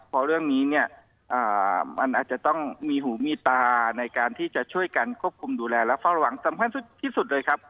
เพราะเรื่องนี้เนี่ยมันอาจจะต้องมีหูมีตาในการที่จะช่วยกันควบคุมดูแลและเฝ้าระวังสำคัญที่สุดเลยครับ